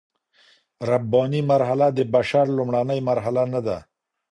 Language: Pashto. رباني مرحله د بشر لومړنۍ مرحله نه ده.